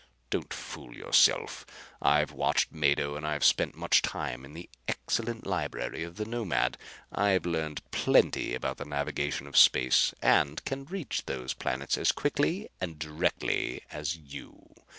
Don't fool yourself! I've watched Mado and I've spent much time in the excellent library of the Nomad. I've learned plenty about the navigation of space and can reach those planets as quickly and directly as you.